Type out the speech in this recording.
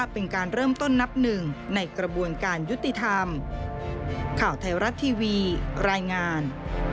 โปรดติดตามตอนต่อไป